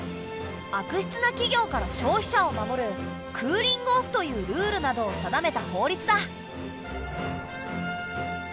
悪質な企業から消費者を守る「クーリングオフ」というルールなどを定めた法律だ。